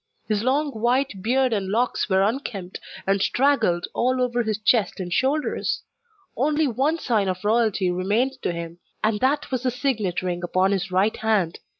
His long white beard and locks were unkempt, and straggled all over his chest and shoulders. Only one sign of royalty remained to him, and that was the signet ring upon his right hand.